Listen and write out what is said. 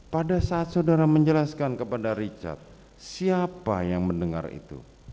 pada saat saudara menjelaskan kepada richard siapa yang mendengar itu